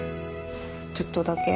ちょっとだけ。